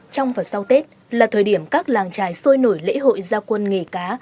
trong và sau tết là thời điểm các làng trài sôi nổi lễ hội gia quân nghề cá